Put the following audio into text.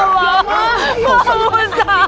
pak ustadz ya allah pak